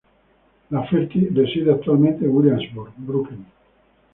Lafferty reside actualmente en Williamsburg, Brooklyn.